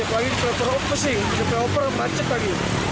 paling di proper upasing di proper macet lagi